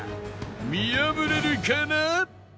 見破れるかな？